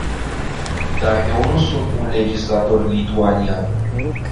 Dar eu nu sunt un legislator lituanian!